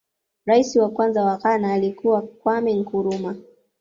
rais wa kwanza wa ghana alikuwa kwame nkurumah